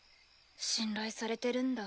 信頼されてるんだ。